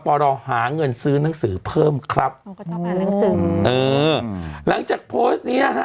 พอรอหาเงินซื้อหนังสือเพิ่มครับอืมเออหลังจากโพสต์เนี้ยฮะ